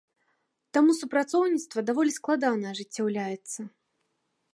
Таму супрацоўніцтва даволі складана ажыццяўляецца.